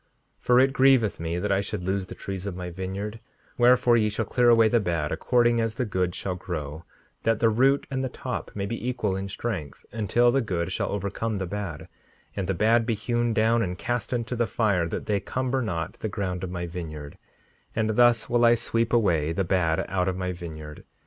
5:66 For it grieveth me that I should lose the trees of my vineyard; wherefore ye shall clear away the bad according as the good shall grow, that the root and the top may be equal in strength, until the good shall overcome the bad, and the bad be hewn down and cast into the fire, that they cumber not the ground of my vineyard; and thus will I sweep away the bad out of my vineyard.